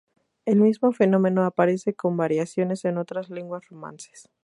El mismo fenómeno aparece con variaciones en otras lenguas romances.